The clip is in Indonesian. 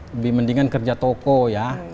lebih mendingan kerja toko ya